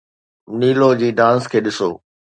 Neelo ji dance کي ڏسو.